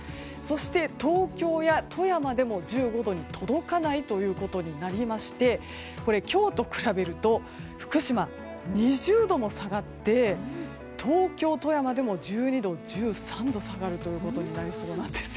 東京や富山でも１５度に届かないということになりまして今日と比べると福島は２０度も下がって東京、富山でも１２度、１３度下がることになりそうなんです。